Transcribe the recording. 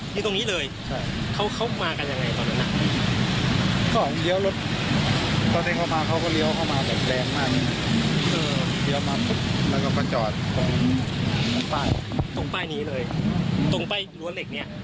เหลือ